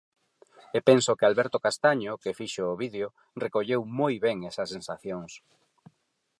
E penso que Alberto Castaño, que fixo o vídeo, recolleu moi ben esas sensacións.